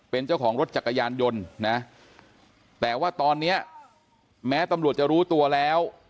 เป็นเจ้าของรถจักรยานยนต์นะแต่ว่าตอนนี้แม้ตำรวจจะรู้ตัวแล้ว